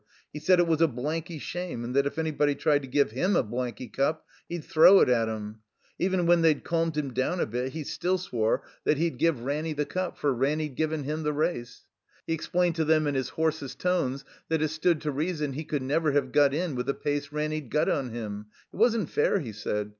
He said it was a blanky shame, and that if anybody tried to give him a blanky cup, he'd throw it at 'em. Even when they'd calmed him down a bit, he still swore that he'd 98 THE COMBINED MAZE give Ranny the cup, for Raxiny 'd given him the race. He explained to them in his hoarsest tones that it stood to reason he could never have got in with the pace Ranny 'd got on him. It wasn't fair, he said.